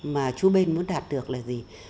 mà chú bên muốn đạt được là gì